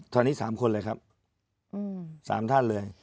ตอนนี้๓คนเลยครับ๓ท่านเลย